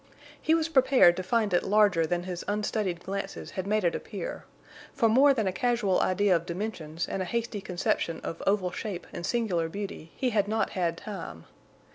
He was prepared to find it larger than his unstudied glances had made it appear; for more than a casual idea of dimensions and a hasty conception of oval shape and singular beauty he had not had time.